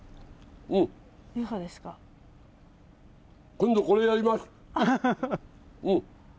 今度これやります！